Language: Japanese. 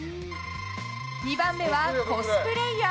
２番目はコスプレイヤー。